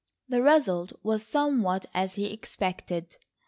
The result was somewhat as he expected.